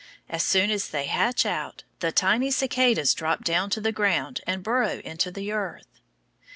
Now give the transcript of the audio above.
As soon as they hatch out, the tiny cicadas drop down to the ground and burrow into the earth.